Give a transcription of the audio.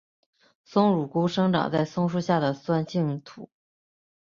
松乳菇生长在松树下的酸性土。